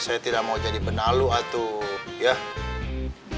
saya tidak mau jadi penalu atau